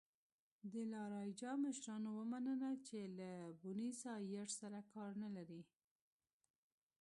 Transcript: د لا رایجا مشرانو ومنله چې له بونیسایرس سره کار نه لري.